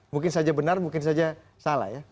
mungkin saja benar mungkin saja salah ya